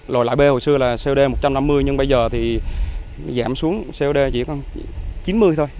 loại b hồi xưa là cod một trăm năm mươi nhưng bây giờ thì giảm xuống cod chỉ còn chín mươi thôi